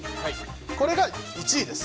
これが１位です。